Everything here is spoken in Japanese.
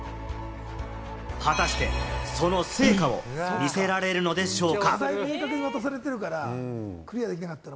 果たして、その成果を見せられるのでしょうか？